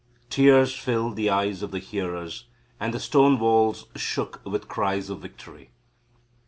Tears filled the eyes of the hearers, and the stone walls shook with cries of victory.